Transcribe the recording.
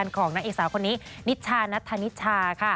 ของนักเอกสาวคนนี้นิตชาณทานิตชา